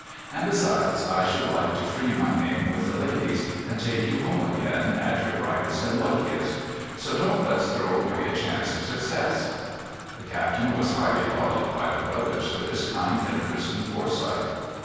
And besides, I should like to free my name with the ladies, and take you home again at your brightest and luckiest ; so don't let's throw away a chance of success.' The captain was highly lauded by the brothers for his kind interest and foresight.